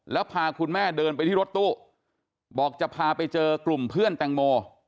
แล้วพาคุณแม่เดินไปที่รถตู้บอกจะพาไปเจอกลุ่มเพื่อนแตงโม